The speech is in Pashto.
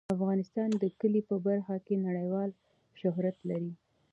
افغانستان د کلي په برخه کې نړیوال شهرت لري.